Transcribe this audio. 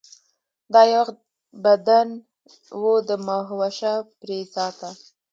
دا یو وخت بدن و د مهوشه پرې ذاته